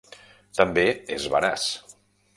També és veraç.